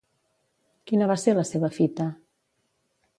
Quina va ser la seva fita?